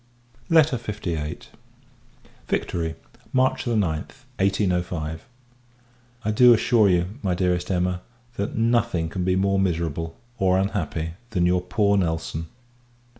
LETTER LVIII. Victory, March 9th, 1805. I do assure you, my Dearest Emma, that nothing can be more miserable, or unhappy, than your poor Nelson.